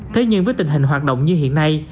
thế nhưng với tình hình hoạt động như hiện nay